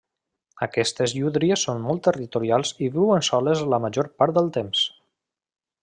Aquestes llúdries són molt territorials i viuen soles la major part del temps.